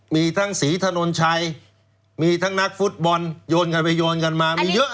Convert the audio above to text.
มีทั้งศรีถนนชัยมีทั้งนักฟุตบอลโยนกันไปโยนกันมามีเยอะ